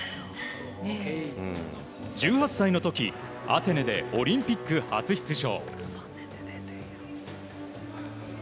１８歳の時、アテネでオリンピック初出場。